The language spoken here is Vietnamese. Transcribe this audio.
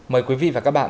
mời quý vị và các bạn